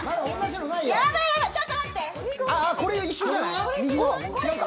やべぇ、ちょっと待って。